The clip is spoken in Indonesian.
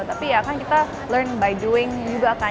tapi ya kan kita learn by doing juga kan